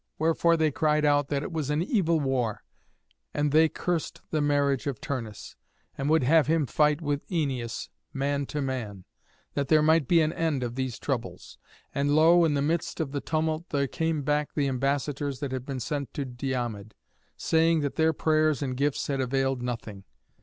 Wherefore they cried out that it was an evil war, and they cursed the marriage of Turnus, and would have him fight with Æneas, man to man, that there might be an end of these troubles. And lo! in the midst of the tumult there came back the ambassadors that had been sent to Diomed, saying that their prayers and gifts had availed nothing.